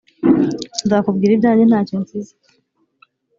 Nzakubwira ibyanjye ntacyo nsize